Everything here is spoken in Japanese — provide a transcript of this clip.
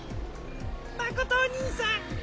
まことおにいさん！